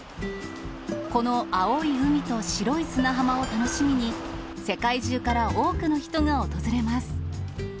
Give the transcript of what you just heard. この青い海と白い砂浜を楽しみに、世界中から多くの人が訪れます。